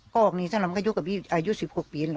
ก็ออกหนีทำนั่นเรามันก็อายุสี่โปรครูลีนเหรอ